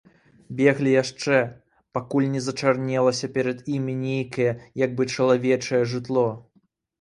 Беглі яшчэ, пакуль не зачарнелася перад імі нейкае як бы чалавечае жытло.